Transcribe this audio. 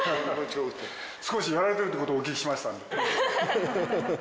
少しやられてるってことをお聞きしましたんで。